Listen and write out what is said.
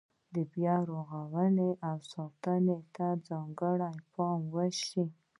بیا رغونې او ساتنې ته ځانګړې پاملرنه وشي.